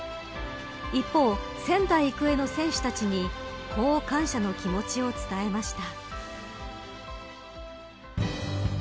一方、仙台育英の選手たちにこう感謝の気持ちを伝えました。